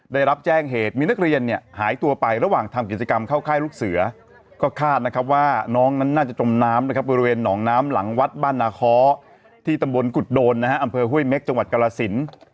ได้รับแจ้งเหตุมีนักเรียนเนี่ยหายตัวไประหว่างทำกิจกรรมเข้าค่ายลูกเสือก็คาดนะครับว่าน้องนั้นน่าจะจมน้ำนะครับบริเวณหนองน้ำหลังวัดบ้านนาคอที่ตำบลกุฎโดนนะฮะอำเภอห้วยเม็กจังหวัดกรสิน